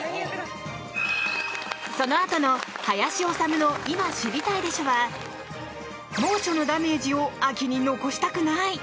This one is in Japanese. そのあとの「林修の今知りたいでしょ！」は猛暑のダメージを秋に残したくない！